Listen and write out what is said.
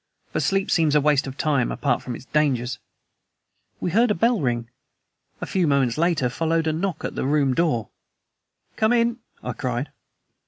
"But sleep seems a waste of time apart from its dangers." We heard a bell ring. A few moments later followed a knock at the room door. "Come in!" I cried.